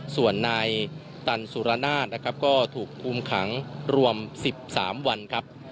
ส่วนนายตันสุรนาศนะครับก็ถูกคุมขังรวม๑๓วันครับ